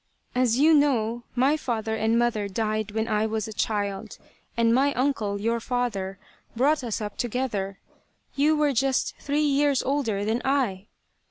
As you know, my father and mother died when I was a child, and my uncle, your father, brought us up together. You were just three years older than I.